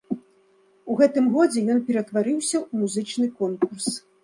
У гэтым годзе ён пераўтварыўся ў музычны конкурс.